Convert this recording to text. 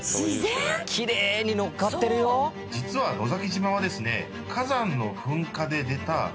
実は野崎島はですね。